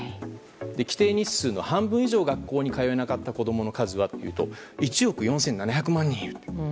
規定日数の半分以上学校に通えなかった子供の数は１億４７００万人いると。